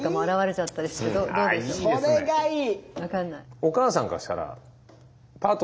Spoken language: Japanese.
それがいい！